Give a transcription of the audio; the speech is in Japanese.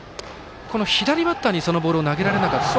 左バッターにそのボールを投げられなかったと。